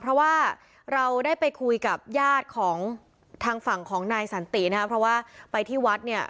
เพราะว่าเราได้ไปคุยกับญาติของทางฝั่งของนายสันตินะครับเพราะว่าไปที่วัดเนี่ย